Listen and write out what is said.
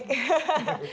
terima kasih mas anang